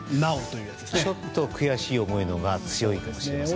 ちょっと悔しい思いのほうが強いかもしれませんね。